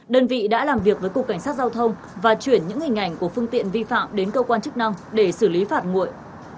đơn vị đã làm việc với cục cảnh sát giao thông và chuyển những hình ảnh của phương tiện vi phạm đến cơ quan chức năng để xử lý phạt nguội